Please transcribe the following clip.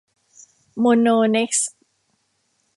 โมโน เน็กซ์